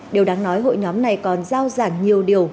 điều đáng nói hội nhóm này còn giao giảng nhiều điều